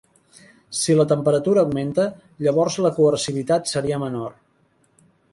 Si la temperatura augmenta, llavors la coercitivitat seria menor.